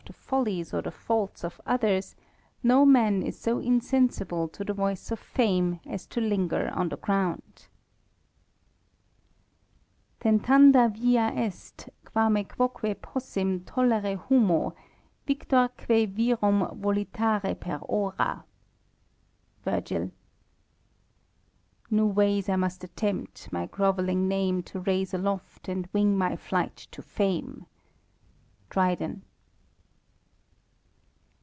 the folliea or the faults of others, no man is so insensible W the voice of tame as to linger on the ground. " Tentanda via tit, qua ms quaque pcisim TalUrc hume, viitm quc vir&m velitare per era," ViRG. " New ways 1 must allempl, my (^oveUiog name To raise nloft, and wing my flight to fame." DKViieN.